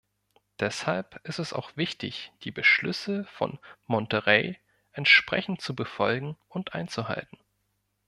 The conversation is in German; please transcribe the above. Deshalb ist es auch wichtig, die Beschlüsse von Monterrey entsprechend zu befolgen und einzuhalten.